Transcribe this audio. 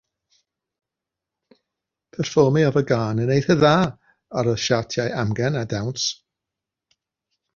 Perfformiodd y gân yn eithaf da ar y siartiau amgen a dawns.